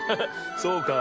そうかい？